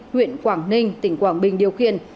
huyện quảng ninh tỉnh quảng bình điều khiển